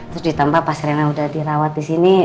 terus ditambah pas rena udah dirawat disini